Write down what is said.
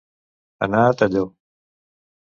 Anar a Talló.